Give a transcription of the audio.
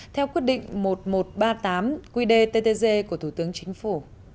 theo quyết định một nghìn một trăm ba mươi tám quy đề ttg của thủ tướng chính phủ